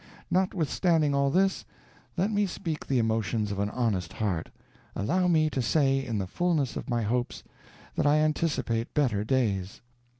Notwithstanding all this, let me speak the emotions of an honest heart allow me to say in the fullness of my hopes that I anticipate better days.